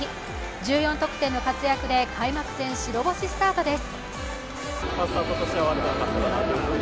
１４得点の活躍で開幕戦白星スタートです。